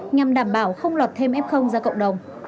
nhằm đảm bảo không lọt thêm f ra cộng đồng